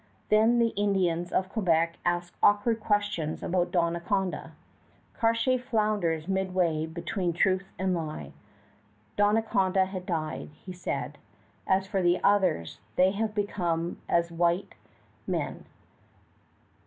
Then the Indians of Quebec ask awkward questions about Donnacona. Cartier flounders midway between truth and lie. Donnacona had died, he said; as for the others, they have become as white men.